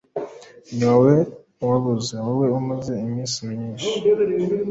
ni wowe waboze wowe umaze iminsi myinshi